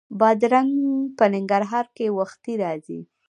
بادرنګ په ننګرهار کې وختي راځي